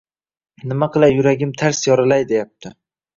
Nima qilay yuragim tars yorilay deyapti.